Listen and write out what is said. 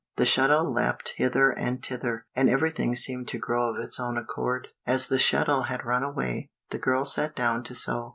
The shuttle leapt hither and thither, and everything seemed to grow of its own accord. As the shuttle had run away, the girl sat down to sew.